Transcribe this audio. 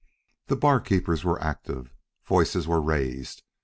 The barkeepers were active. Voices were raised.